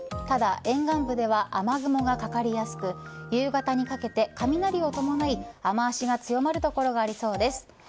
ただ沿岸部では雨雲がかかりやすく夕方にかけて雷を伴い雨脚が強まる所がありそうです。